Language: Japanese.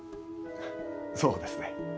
そうですね。